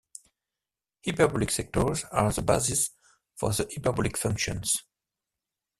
Hyperbolic sectors are the basis for the hyperbolic functions.